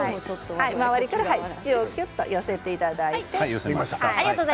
周りから土をきゅっと寄せていただいて。